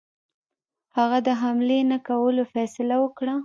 هغه د حملې نه کولو فیصله وکړه.